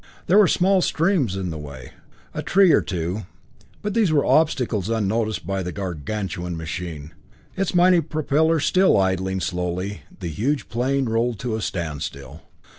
There were small streams in the way a tree or two, but these were obstacles unnoticed by the gargantuan machine. Its mighty propellers still idling slowly, the huge plane rolled to a standstill.